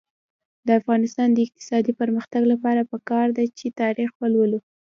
د افغانستان د اقتصادي پرمختګ لپاره پکار ده چې تاریخ ولولو.